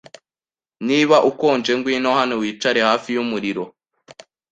Niba ukonje, ngwino hano wicare hafi yumuriro.